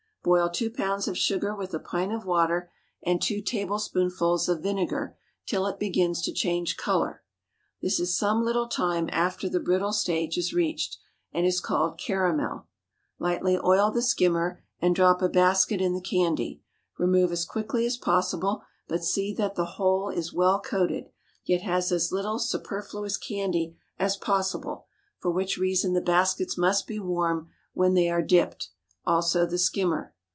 Boil two pounds of sugar with a pint of water and two tablespoonfuls of vinegar till it begins to change color (this is some little time after the brittle stage is reached, and is called caramel); lightly oil the skimmer, and drop a basket in the candy; remove as quickly as possible, but see that the whole is well coated, yet has as little superfluous candy as possible, for which reason the baskets must be warm when they are dipped, also the skimmer.